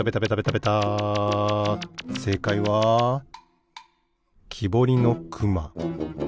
せいかいはきぼりのくま。